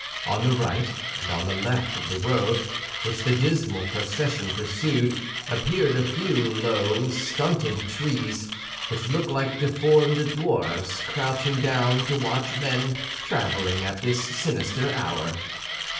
On the right and on the left of the road, which the dismal procession pursued, appeared a few low, stunted trees, which looked like deformed dwarfs crouching down to watch men traveling at this sinister hour.